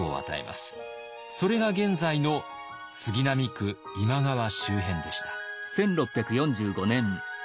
それが現在の杉並区今川周辺でした。